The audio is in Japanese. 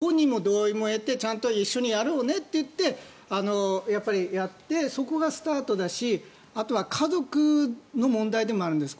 やっぱりちゃんと本人の同意も得てちゃんと一緒にやろうねと言ってやってそこがスタートだし、あとは家族の問題でもあるんです。